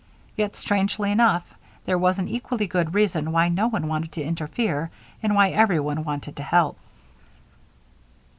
Yet, strangely enough, there was an equally good reason why no one wanted to interfere and why everyone wanted to help.